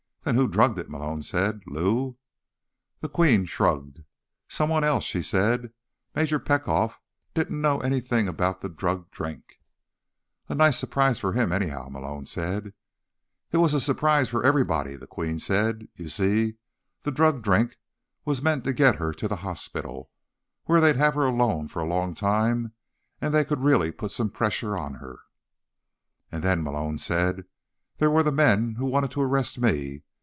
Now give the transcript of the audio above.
"Then who drugged it?" Malone said. "Lou?" The Queen shrugged. "Someone else," she said. "Major Petkoff didn't know anything about the drugged drink." "A nice surprise for him, anyhow," Malone said. "It was a surprise for everybody," the Queen said. "You see, the drugged drink was meant to get her to the hospital, where they'd have her alone for a long time and could really put some pressure on her." "And then," Malone said, "there were the men who wanted to arrest me.